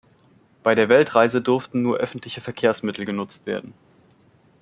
Bei der Weltreise durften nur öffentliche Verkehrsmittel genutzt werden.